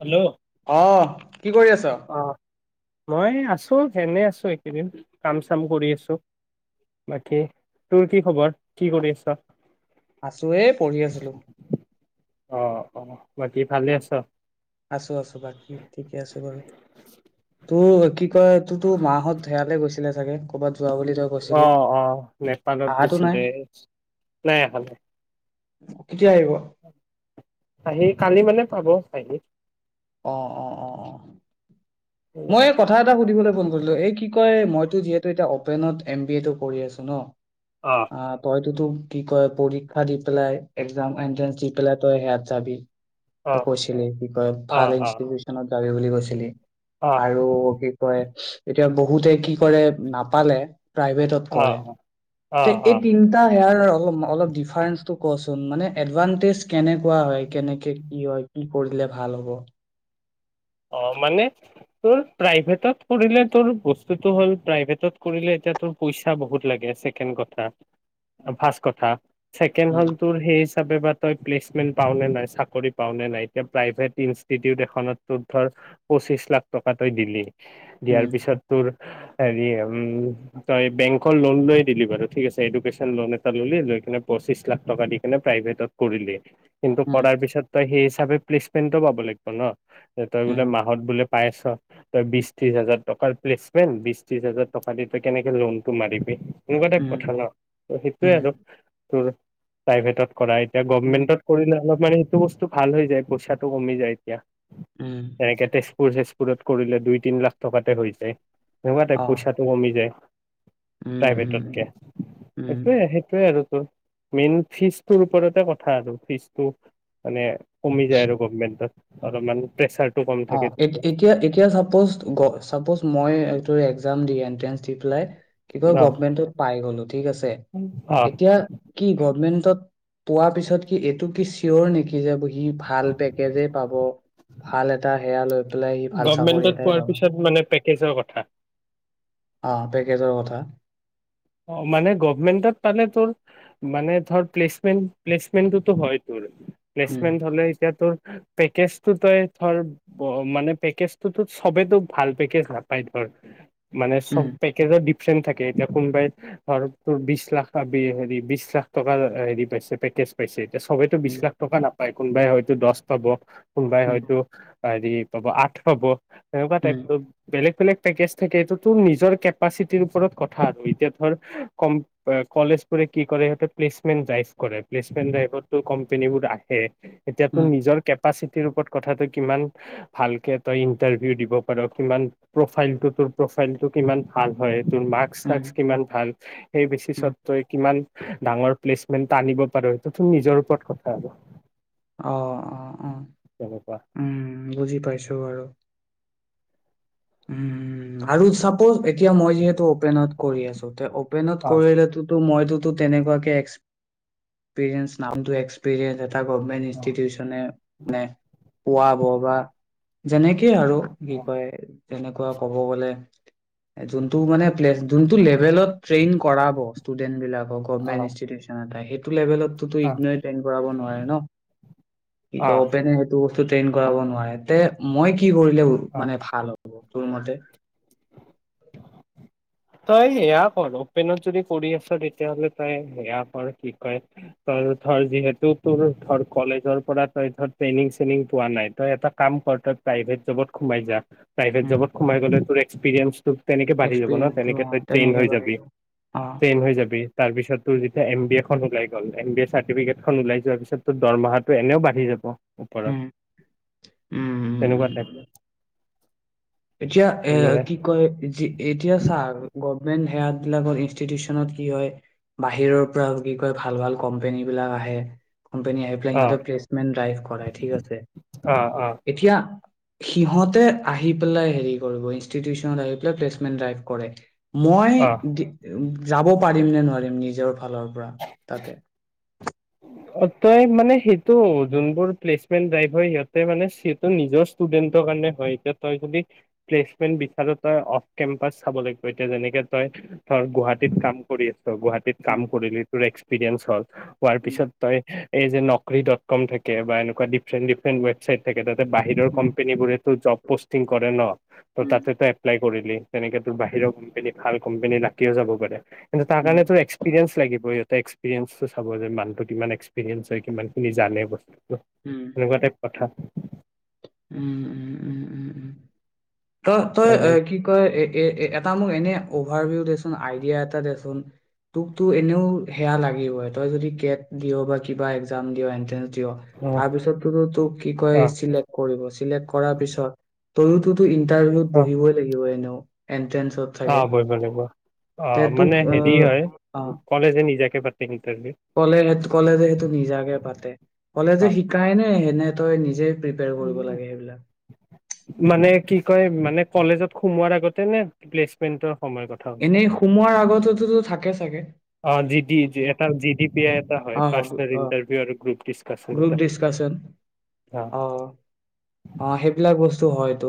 Hello. অ'। কি কৰি আছ। অ মই আছো এনে আছো এইকেইদিন কাম চাম কৰি আছো বাকী তোৰ কি খবৰ? কি কৰি আছ। আছো এ পঢ়ি আছিলো। অ', অ'। বাকী ভালে আছ আছো আছো বাকী ঠিকে আছো। তোৰ কি কয় তো-তো মাহত হয়ালৈ গৈছ ছিলে চাগে ক'বাত। অ', অ', নেপালত আহাতো নাই গৈছিলে। নাই আহা নাই। [inaudible] আহি কালি মানে [unintelligible] অ অ অ অ। অ মই এই কথা এটা সুধিবলৈ ফোন কৰিলো, এই কি কয় মইতো যিহেতু এতিয়া অ অপেনত এমবিএটো কৰি আছোঁ নহ। অ আ, তই তইটো কি কয় পৰীক্ষা দি পেলাই এক্সাম, এনট্ৰেন্ঞ্চ দি পেলাই তই সেয়াত যাবি অ তই কৈছিলি কি কয় অ ভাল অ ইনষ্টিটিউচনত যাবি বুলি কৈছিলি আৰু কি কয় এতিয়া বহুতে কি কৰে নাপালে প্ৰাইভেটত অ কৰে অ তে অ এই তিনিটাৰ সেয়াৰ অলপ ডিফাৰেন্ঞ্চটো কচোন মানে এডভাণ্টেজ কেনে কোৱা হয়, কেনেকে কি হয়? কি পঢ়িলে ভাল হ'ব। অ', মানে তোৰ প্ৰাইভেটত কৰিলে তোৰ বস্তুটো হ'ল প্ৰাইভেটত কৰিলে এতিয়া তোৰ পইচা বহুত লাগে, ছেকেণ্ড কথা ফাষ্ট কথা ছেকেণ্ড উম হ'ল তোৰ সেই তই প্লেচমেণ্ট পাওঁ নে নাই চাকৰি পাওঁ নে নাই এতিয়া প্ৰাইভেট ইনষ্টিটিউট এখনত ধৰ পঁচিশ লাখ টকা তই দিলি দিয়াৰ উম পিছত তোৰ হেৰি তই বেংকৰ লোন লৈ দিলি বাৰু ঠিক আছে এডুকেশ্যন লোন এটা ল'লি লৈ কিনে পঁচিশ লাখ টকা দি কিনে প্ৰাইভেটত কৰিলি। কিন্তু উম পঢ়াৰ পিছত তই সেই। তথাপিও প্লেচমেন্ট পাব লাগিব নহ। তই বোলে উম মাহত বোলে। পাই আছোঁ তই বিশ ত্ৰিশ হাজাৰ টকাৰ প্লেচমেন্ট বিশ ত্ৰিশ হাজাৰ টকা দি তই কেনেকৈ লোনটো মাৰিবি। এনেকুৱা উম কথা ন সেইটোৱে উম আৰু। প্ৰাইভেটত কৰা এতিয়া চৰকাৰীত কৰিলে অলপমান এইটো বস্তু ভাল হৈ যায় পইচাটো কমি যায় এতিয়া।। উম এনেকে তেজপুৰ। দুৰত কৰিলে দুই তিনি লাখ টকাতে হৈ যায়। সেনেকোৱা টাইপ অ পইচাটো কমি যায় উম প্ৰাইভেটতকে উম উম সেইটোয়ে আৰু। মেইন ফিজটোৰ ওপৰতে কথা আৰু ফিজটো মানে। কমি যায় আৰু গভমেণ্টত। আৰু মানে। প্ৰেছাৰ। অ', এত-এতিয়া-এতিয়া চাপজ গ-চাপজ মই এইটোৰ একজাম দি, এন্ট্ৰেন্স দি পেলাই [unintelligible] ন গভমেন্টত পাই গ'লো ঠিক আছে, অ এতিয়া কি গভমেন্টত পোৱা পিছত কি এইটো কি চিয়ৰ নেকি যে সি ভাল পেকেজে পাব। ভাল এট- তা সেইয়া লৈ পেলাই সি ভাল চাকৰি গভমেণ্টত এটাই পোৱাৰ পাব পিছত মানে পেক কেছৰ কথা। অ', পেকেজৰ কথা অ', মানে গভমেন্টত পালে তোৰ, মানে ধৰ প্লেচমেণ্ট, প্লেচমেণ্টটোতো হয় তোৰ। প্লেচমেণ্ট উম হ'লে এতিয়া তোৰ- পেকেজটো তই ধৰ, ব-মানে পেকেজতো চবেতো ভাল পেকেজ নাপায় ধৰ। মানে চব উম পেকেজৰ দিফ চেন থাকে, এতিয়া কোনোবাই ধৰ তোৰ বিশ লাখ পাবি, হেৰি বিশ লাখ টকাৰ হেৰি পাইছে পেকেজ পাইছে চবেতো বিশ উম লাখ টকা নাপায়। কোনবাই হয়তো দচ পাব কোনবাই উম হয়তো আৰু ই পাব, আঠ পাব। তেনেকুৱা টাইপ উম তোৰ, বেলেগ বেলেগ পেকেজ থাকে, এইটোতো নিজৰ কেপাচিটিৰ ওপৰত কথা আৰু এতিয়া ধৰ, কম-কলেজবোৰে কি কৰে, সিহঁতে প্লেচমেণ্ট ড্ৰাইভ কৰে, প্লেচমেন্ট ড্ৰাইভতটো কোম্পানী বোৰ আহে। এতিয়াতো উম নিজৰ কেপাচিট কি ৰূপত কথাটো কিমান ভালকে তই ইন্টাৰভিউ দিব পাৰ, কিমান প্ৰফাইলটো তোৰ প্ৰফাইলটো কিমান ভাল হয় উম মাক্স-চাক্স ভাল। সেই উম বেছিচত্যই কিমান ডাঙৰ প্লেচমেন্ট টানিব পাৰ, সেইটো তোৰ নিজৰ ওপৰত কথা আৰু। অ' অ' অ', তেনেকুৱা উম, বুজি পাইছোঁ বাৰু। উম, আৰু চাপোজ এতিয়া মই যিহেতু অপেনত কৰি আছোঁ, তে অপেনত অ কৰিলেটোতো মই তোৰটো তেনেকুৱাকে এক্স-পীৰিয়েন্স নামটো এক্স্পীৰিয়েঞ্চ টা গভমেন্ট অ ইনষ্টিটিউচনে-নে পোৱাব বা যেনেক সেয়ে আৰু কি অ কয় তেনেকুৱা ক'ব গ'লে, যোনটো মানে প্লেচ যোনটো লে ৰেল'ত ট্ৰেইন কৰাব ষ্টুডেণ্টবিলাকক অ গভৰ্ণমেণ্ট ইনষ্টিটিউশ্যনটাই সেইটো লেভেলটো ইগনিও‌য়ে ট্ৰেইন কৰাব নোৱাৰে ন', কি অ কয় অপেন হে সেইটো বস ট্ৰেইন কৰাব নোৱাৰে, তে মই কি কৰিলেও অ', মানে ভাল হ'ব? [unintelligible] তোৰ মতে? তই সেয়া কৰ‌ অপেনত যদি কৰি আছা তেতিয়া হ'লে তই সেয়া কৰ‌ কি কয় তই ধৰ যিহেতু তোৰ ধৰ কলেজৰ পৰা তই ধৰ ট্ৰেইনিঙ চেনিঙ পোৱা নাই, তই এটা কাম কৰ তই এটা প্ৰাইভেট জবত খোমাই যা প্ৰাইভেট উম, যবত সোমাই গ'লে তোৰ এক্সপিৰিয়েঞ্চছটো তেনেকে বাঢ়ি যাব ন'। এক্সপিৰিয়েঞ্চটো তেনেকে অ তই ট্ৰেইন তেনেকে হয় বাঢ়ি যাবি, যাব অ ট্ৰেইন হয় যাবি তাৰপিছত তোৰ যেতিয়া এম বি এ খন ওলাই গ'ল, এম বি এ চাৰ্টিফিকেটখন ওলাই যোৱাৰ পিছতো দৰমহাটো এনেও বাঢ়ি যাব। ওপৰত, উম উম উম তেনেকুৱা ঠাইত উম এতিয়া এ, কি কয় এতি-এতিয়া চাৰ গভমেন্ট সেয়াত বিলাকৰ ইনষ্টিটিউচনত কি হয়, বাহিৰৰ পৰা কি কয়, ভাল, ভাল কোম্পনী বিলাক আহে। কোম্পানী আহি‌ পেলাই, অ সিহঁতৰ প্লেচমেণ্ট ড্ৰাইভ কৰাই ঠিক আছে, অ অ এতিয়া সিহঁতে আহি বলে, হেৰি কৰিব, ইনষ্টিটিউচনত আহি পেলাই প্লেচমেণ্ট ড্ৰাইভ কৰে। মই অ [unintelligible] যাব পাৰিম নে নোৱাৰিম নিজৰ ফালৰ পৰা তাতে। তই মানে, সিটো যোনবোৰ প্লেচমেণ্ট ড্ৰাইভ হয়, সিহঁতে মানে সিহঁতৰ নিজৰ ষ্টুডেণ্টৰ কাৰণে হয়, এতিয়া তই যদি প্লেচমেণ্ট বিচাৰ, তই অফ কেম্পাচ চাব লাগিব। এতিয়া যেনেকে তই গুৱাহাটীত কাম কৰি তই গুৱাহাটীত কাম উম কৰিলি, তোৰ এক্স পিৰেঞ্চ হ'ল হোৱাৰ উম পিছত এই যে, নকৰি ডট কম থাকে বা এনেকুৱা ডিফৰেণ্ট ডিফৰেণ্ট ৱেবচাইট থাকে, তাত বাহিৰৰ কোম্পানীবোৰেতো জব পষ্টিং কৰে ন, উম তাতে ত‌ই এপ্লাই কৰিলি, তেনেক তোৰ বাহিৰৰ কোম্পানী, ভাল কোম্পনী লাগিও যাব পাৰে। কিন্ত তাৰ উম কাৰণে উম তোৰ এক্সপিৰিয়েন্ঞ্চ লাগিব ইয়াত এক্সপিৰিয়েঞ্চোতো চাব যে, মানুহটো কিমান এক্সপিৰিয়েন্ঞ্চ হয়, কিমান খিনি জানে বস উম এনেকুৱা টাইপ কথা। উম, উম, উম, উম, উম। ত তই তাৰ কাৰণে কি কয়? এ, এ, এটা মোক এনে অভাৰভিউ দেচোন, আইডিয়া এটা দেচোন। তোক তো এনেও সেয়া লাগিবই। তই যদি কেট দিৱ বা কিবা এক্সাম দিৱ, এণ্ট্ৰেঞ্চ দিশ, অ তাৰ পিছতো তোক কি কয়, অ চিলেক্ট কৰিব। চিলেক্ট কৰাৰ পিছত। তই ওতো [unintelligible] টাৰভিউত অ বহিবই লাগিব এনেও। [inaudible] চাগে অ', বহব লাগিব। অ, তে তোক মানে অ হেৰি হয়, কলেজে নিজাকে পাতে ইণ্টাৰভিউ। কলে কলেজে সেইটো নিজাকে পাতে। কলেজে শিকায় নে এনে তই নিজে প্ৰিপেয়াৰ কৰিব অ লাগে সেইবিলাক। মানে কি কয়, মানে কলেজত সোমোৱাৰ আগতে নে প্লেচমেন্টটো এনেই সোমোৱাৰ আগতেতোতো থাকে চাগে অ জি ডি এটা জি ডি পি- আই এটা হয়, অ পাচঁটাৰ অ ইন্টাৰভিউ আৰু গ্ৰুপ ডিছকাচন গ্ৰুপ এটা। ডিছকাচন অ'। অ সেইবিলাক বস্তু হয়তো।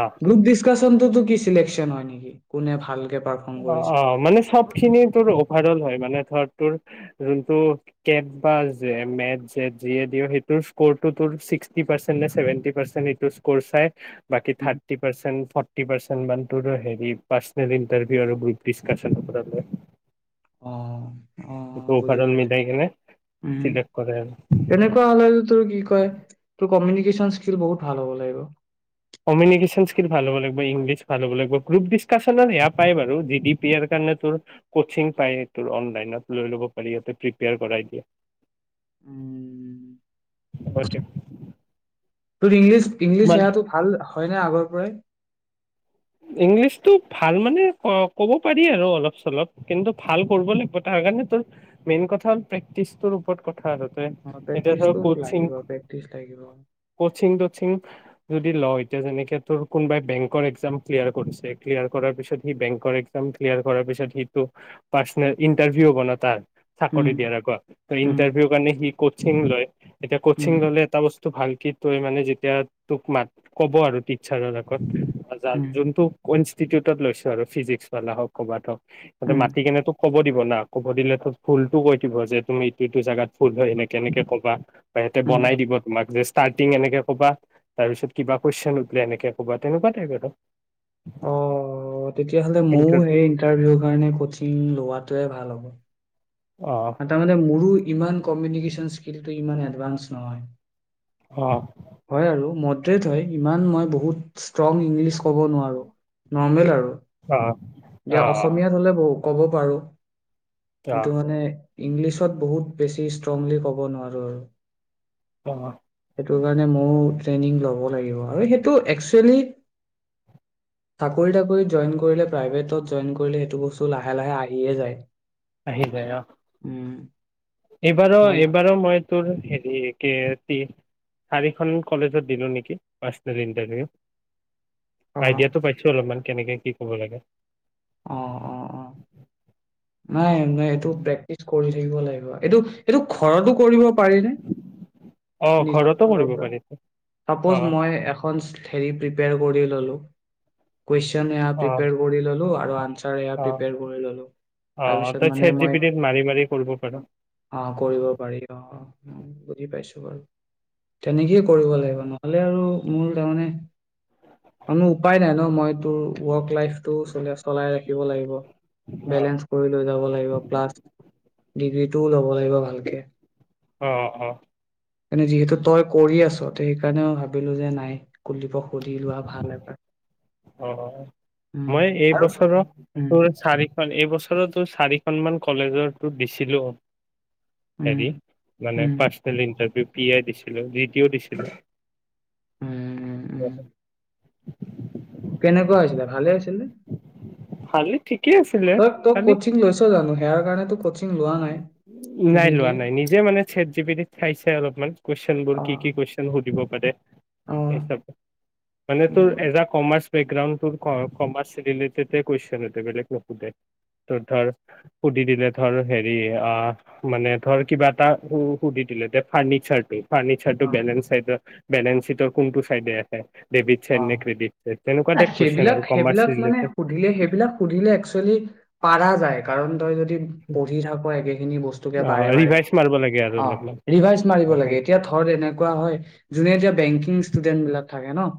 অ গ্ৰুপ ডিকছ [unintelligible] চিলেকচন হয় নেকি কোনে ভালকে পাৰফৰ্ম অ', কৰিছে অ', মানে চব খিনি তোৰ অভাৰ অল হয় মানে ধৰ টোৰ জোনটো কেব বা জেম, মেট, জেদ যিয়ে দিৱ সেইটোৰ স্কৰটো তোৰ চিক্সটি পাৰ্চেণ্ট নে চেভেন্টি পাৰ্চেণ্ট এইটো স্কৰ চাই বাকী উম, thirty percent forty percent মানটো-টো হেৰি পাৰ্চনেলি টেৰ্ভি আৰু গ্ৰুপ ডিছকাশচন এটা লয়। অ' অ বুজি অল পাইছো মিলাই কিনে উম চিলেক্ট কৰে আৰু তেনেকুৱা হলে তোৰ কি কয় তো কমিনিকেশ্বন স্কিল বহুত ভাল হ'ব লাগিব। কমিনিকেশ্বন স্কিল ভাল হ'ব লাগিব, ইংলিছ ভাল হ'ব লাগিব, গ্ৰুপ ডিচকাচনত এয়া পায় বাৰু জি ডি পি এৰ উমম। [unintelligible] তোৰ ইংলিছ ইংলিছ সেৱাটো ভাল হয়নে আগৰ পৰাই? ইংলিছতটো ভাল মানে ক'ব পাৰি আৰু অলপ-চলপ কিন্তু ভাল কৰব' লাগব' তাৰ কাৰণে তোৰ মেইন কথা হ'ল প্ৰেক্টিচটোৰ ওপৰত ক অ এতিয়া ধৰক প্ৰেক্টিচটো লাগিব প্ৰেক্টিচ লাগিব কচিং-কচিং তচিং ল এতিয়া যেনেকে তোৰ, কোনোবাই বেংকৰ এক্জাম। ক্লিয়াৰ কৰিছে, ক্লিয়াৰ কৰাৰ পিছত সি বেংকৰ এক্সাম ক্লিয়াৰ কৰাৰ পিছত, সিটো পাৰ্চনেল ইণ্টাৰভিউ হব ন', তাৰ। উম চাকৰি দিয়াৰ আগত উম ইন্টাৰভিউৰ কাৰণে সি কচিং লয় এতিয়া কচিং উম এটা বস্তু তো ভাল কি তই মানে যেতিয়া তোক মাত ক'ব আৰু টিচাৰৰ আগত [unintelligible] [unintelligible] উম ইনষ্টিটিউটত লৈছো আৰু ফিজিক্সালা হওঁক ক'বাত হওঁক তাতে উম মাতি কেনে তোক ক'ব দিব না ক'ব দিলে তো ভুলটো কৈ দিব যে, তুমি এইটো এইটো জাগাত ভুল হয় এনেকে এনেকে ক'বা উম বনাই দিব তোমাক যে ষ্টাৰ্টিং এনেকে কবা তাৰপিছত কিবা কুৱেশ্বন সুধিলে এনেকে ক'বা তেনেকুৱা টাইপ আৰু অ তেতিয়াহলে ময়ো সেই ইণ্টাৰভিউৰ কাৰণে কচিং লোৱাত তোয়ে ভাল হ'ব। [inaudible] অ এটা মানে মোৰো ইমান কমিউনিকেশ্যন স্কিলটো ইমান এডভান্স নহয়। অ হয় আৰু ম [unintelligible] হয় ইমান মই বহুত ষ্ট্ৰং ইংলিছ ক'ব নোৱাৰোঁ। নৰ্মেল আৰু অ অ এতিয়া অসমীয়াত হ'লে বহুত ক'ব পাৰোঁ। অ কিন্তু মানে ইংলিছত বহুত বেছি ষ্ট্ৰংলি ক'ব নোৱাৰোঁ আৰু অ। সেইটো কাৰণে মইও ট্ৰেইনিং ল'ব লাগিব আৰু সেইটো একচুৱেলি চাকৰি-তাকৰিত জইন কৰিলে, প্ৰাইভেটত জইন কৰিলে সেইটো বস্তু লাহে লাহে আহিয়ে যায়। আহি যায় অ'। উম, এইবাৰো মই এইবাৰো মই তোৰ হেৰি, [unintelligible] চাৰিখন কলেজত দিলো নেকি পাৰ্চনেল ইণ্টাৰভিউ অ', আইডিয়াটো পাইছোঁ অলপমান কেনেকে কি ক'ব লাগে। অ'-অ'-অ' নাই নাই, এইটো প্ৰেক্টিচ কৰিছোঁ। [unintelligible] লাগিব, এইটো সেইটো ঘৰটো কৰিব পাৰিনে অ নিজৰ ঘৰতো কৰিব ফালৰ পৰা, পাৰি অ ছাপ'জ মই এখন হেৰি প্ৰিপেয়াৰ কৰি ললোঁ কুৱেশ্চন এয়া অ প্ৰিপেয়াৰ কৰি ললোঁ আৰু আনছাৰ এয়া অ প্ৰিপেয়াৰ কৰি ল'লো, অ তাৰপিছত তই মানে চেট জি মই পি টিত মাৰি মাৰি কৰিব পাৰ অ' কৰিব পাৰি অ'। বুজি পাইছোঁ বাৰু, তেনেকেইে কৰিব লাগিব নহ'লে আৰু মোৰ তাৰমানে কোনো উপায় নাই ন, মই তোৰ ৱৰ্ক লাইফটো চলি আছে চলাই ৰাখিব লাগিব। অ বেলেঞ্চ কৰি লৈ যাব লাগিব, প্লাছ ডিগ্ৰী টোও লব ল'ব লাগিব ভালকে। অ মানে যিহেতু তই কৰি আছ, তে সেইকাৰণে মই ভাবিলো যে নাই কুলদীপক সুধি লোৱা ভাল এবাৰ। অ' অ' উম মই এই এই আৰু বছৰৰ উম তোৰ চাৰিখন, এই বছৰৰ তোৰ চাৰি খনমান কলেজতটো দিছিলো। উম হেৰি মানে উম পাৰ্ছনেল ইণ্টাৰভিউ। এয়া দিছিলো [unintelligible] দিছিলো। [inaudible] উম উম উম কেনেকুৱা হৈছিলে ভালে হৈছিলনে? খালি ঠিকেই আছিলে তই তই খালি কচিং লৈছো জানো? ইয়াৰ কাৰণেতো কোচিং নাই লোৱা নাই নিজে মানে চেটজিপিতিত চাইছে অলপমান প্ৰশ্নবোৰ অ কি কি প্ৰশ্ন সুধিব। [unintelligible] অ এইচব মানে তোৰ উম কমাৰ্চ। বেকগ্ৰাউণ্ডটোৰ কমাৰ্চ ৰিলেটেডে প্ৰশ্ন সোধে বেলেগ নোসোধে তোমাৰ ধৰা সুধি দিলে ধৰা। হেৰি অ মানে ধৰা কিবা এটা সুধি দিলো দে ফাৰ্নিচাৰ। ফাৰ্নিচাৰটো অ বেলেঞ্চ সেইটো। বেলেঞ্চ চিটৰ কোনটো চাইডে আহে। ডেবিট অ চাইড নে ক্ৰেডিট চাইড তেনেকুৱা টাইপ কুৱেশন সেইবিলাক আৰু কমাৰ্চ সেইবিলাক মানে ৰিলেটেড সুধিলে সেইবিলাক সুধিলে একচুয়েলি। পাৰা যায় কাৰণ তই যদি। পঢ়ি থাক একেখিনি বস্তুকে বাৰে বাৰে ৰিভাইজ মাৰিব লাগে আৰু অ অলপমান ৰিভাইজ মাৰিব লাগে এতিয়া ধৰ এনেকুৱা হয় যোনে এতিয়া বেংকিং ষ্টুডেন্ট বিলাক থাকে নহ।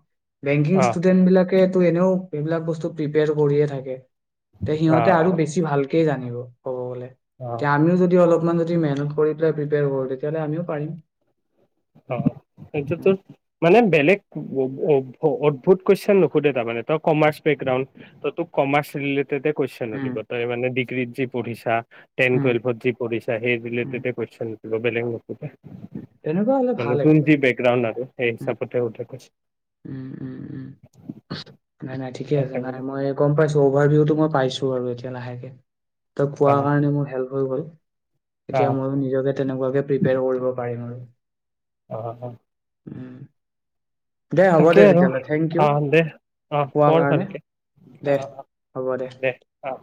বেংকিং অ ষ্টুডেণ্টবিলাক। তোৰ এনেও সেইবিলাক বস্তু প্ৰিপেয়াৰ কৰিয়ে থাকে। তে অ সিহঁতে আৰু বেছি ভাল। কেই জানিব ক'ব গ'লে। অ আমিও যদি অলপ। অকমান যদি মেহনত কৰি পেলাই প্ৰিপেয়াৰ কৰোঁ তেতিয়াহলে আমিও পাৰিম। অ' সেইটো মানে বেলেগ। অদ্ভুত প্ৰশ্ন নোসোধে তাৰমানে তই কমাৰ্চ বেকগ্ৰাউণ্ড তোক কমাৰ্চ ৰিলেটেড। তাতেই কুয়েশ্বন উম সুধিব তই মানে। কৃদযি পঢ়িছা। টেন উম টুয়েলভত যি পঢ়ছা সেই উম ৰিলেটেড কুয়েশ্বন। গ্লবেলিং নোসোধে। তেনেকুৱা হ'লে মানে ভাল যাৰ যি একচুৱেলি বেকগ্ৰাউণ্ড আৰু সেই উম হিচাপতে সোধে। উম উম উম নাই নাই ঠিকে আছে নাই কুৱেশন মই গম পাইছোঁ। বাৰভেউটো মই পাইছো আৰু এতিয়া লাহেকে। তই অ কোৱাৰ কাৰণে মোৰ হেল্প হৈ গ'ল। অ এতিয়া ময়ো নিজকে তেনেকুৱা ধৰণে প্ৰিপেয়াৰ কৰিব পাৰিম আৰু। অ' অ' উম। দে হ'ব দে তাকেই আৰু, তেতিয়াহ'লে থেংক ইউ অ' দে, অ' কোৱাৰ পঢ় কাৰণে ভালকে, দে অ' দে, অ'।